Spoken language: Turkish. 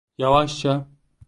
Yavaşça.